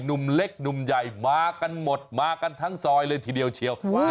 หนุ่มเล็กหนุ่มใหญ่มากันหมดมากันทั้งซอยเลยทีเดียวเชียว